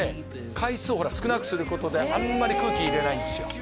回数をほら少なくすることであんまり空気入れないんですよ